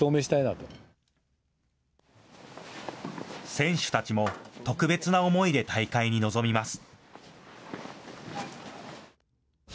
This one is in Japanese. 選手たちも特別な思いで大会に臨みます。